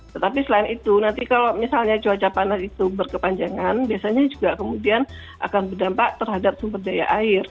tetapi selain itu nanti kalau misalnya cuaca panas itu berkepanjangan biasanya juga kemudian akan berdampak terhadap sumber daya air